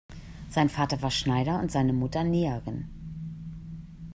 Sein Vater war Schneider und seine Mutter Näherin.